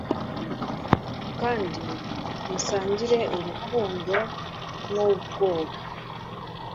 kandi musangire urukundo nubwoba